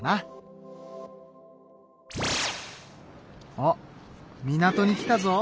あっ港に来たぞ。